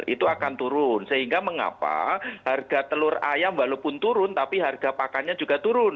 itu akan turun sehingga mengapa harga telur ayam walaupun turun tapi harga pakannya juga turun